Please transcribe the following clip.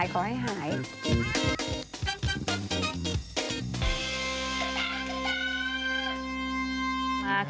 ขอให้หาย